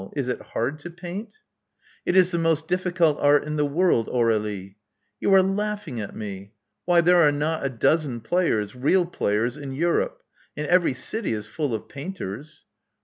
Is it hard to paint?" '*It is the most difficult art in the world, Aur^lie." You are laughing at me. Why, there are not a dozen players — real players — in Europe; and every city is full of painters."